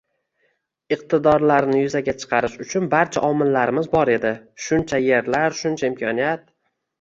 iqtidorlarni yuzaga chiqarish uchun barcha omillarimiz bor edi – shuncha yerlar, shuncha imkoniyat.